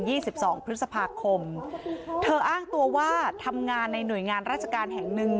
ี่สิบสองพฤษภาคมเธออ้างตัวว่าทำงานในหน่วยงานราชการแห่งหนึ่ง